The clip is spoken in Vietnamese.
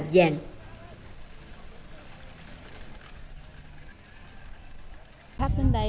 phát đến đây đông nhất ngày thứ bảy chủ nhật mấy ngày thứ thì đến cũng ít